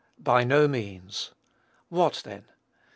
By no means. What then?